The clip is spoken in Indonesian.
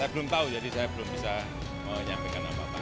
saya belum tahu jadi saya belum bisa menyampaikan apa apa